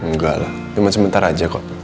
enggak lah cuma sebentar aja kok